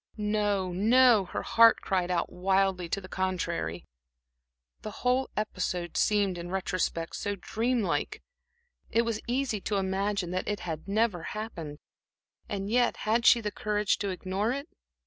No, no her heart cried out wildly to the contrary. The whole episode seemed, in the retrospect, so dream like. It was easy to imagine that it had never happened. And yet, had she the courage to ignore it?...